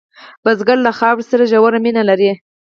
بزګر له خاورې سره ژوره مینه لري